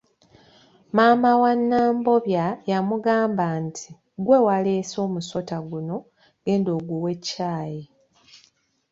Maama wa Nambobya yamugamba nti ggwe waleese omusota guno, genda oguwe caayi.